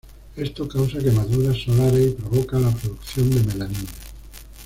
Esto causa quemaduras solares y provoca la producción de melanina.